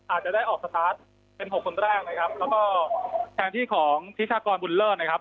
อาจจะได้ออกสตาร์ทเป็นหกคนแรกนะครับแล้วก็แทนที่ของพิธากรบุญเลิศนะครับ